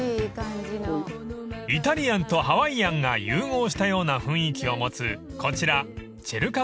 ［イタリアンとハワイアンが融合したような雰囲気を持つこちら］